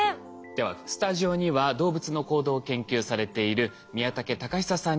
ではスタジオには動物の行動を研究されている宮竹貴久さんにお越し頂きました。